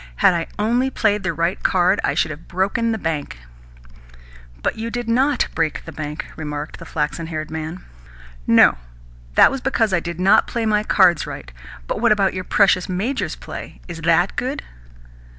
Had I only played the right card, I should have broken the bank." "But you did NOT break the bank," remarked the flaxen haired man. "No. That was because I did not play my cards right. But what about your precious major's play? Is THAT good?"